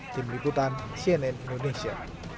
tim liputan cnn indonesia